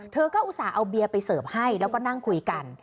เธอก็อุตส่าห์เอาเบียร์ไปเสิร์ฟให้แล้วก็นั่งคุยกัน